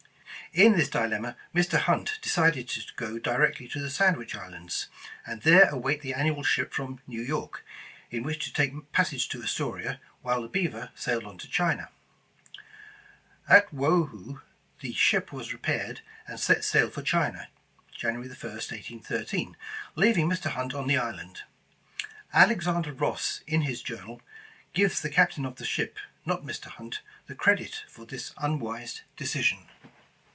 In this dilemma, Mr. Hunt decided to go directly to the Sandwich Islands, and there await the annual ship from New York, in which to take passage to Astoria, while the Beaver sailed on to China. At Woahoo, the ship was repaired, and set sail for China, January 1st, 1813, leaving Mr. Hunt on the island. Alexander Ross, in his journal, gives the Captain of the ship, not Mr. Hunt, the credit for this unwise decision.